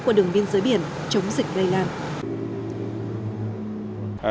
qua đường biên giới biển chống dịch gây lan